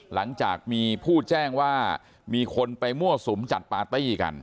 หลังจากมีผู้แจ้งว่ามีคนไปมั่วสุมจัดปาร์ตี้กัน